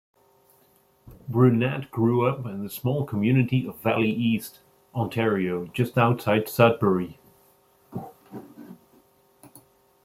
Brunette grew up in the small community of Valley East, Ontario just outside Sudbury.